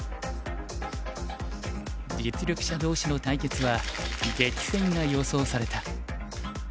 実力者同士の対決は激戦が予想された。